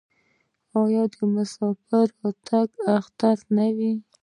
آیا د مسافر راتګ اختر نه وي؟